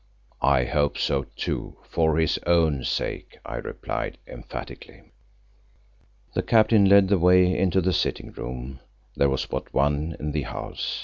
"I hope so too, for his own sake," I replied emphatically. The Captain led the way into the sitting room; there was but one in the house.